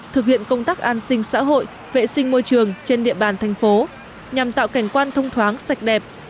thực hiện công tác an sinh xã hội vệ sinh môi trường trên địa bàn thành phố nhằm tạo cảnh quan thông thoáng sạch đẹp